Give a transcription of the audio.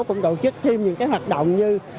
cũng tổ chức thêm những cái hoạt động như